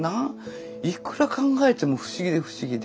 いくら考えても不思議で不思議で。